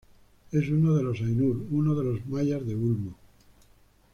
Es uno de los Ainur, uno de los Maiar de Ulmo.